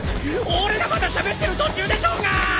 俺がまだしゃべってる途中でしょうが！